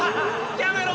やめろ！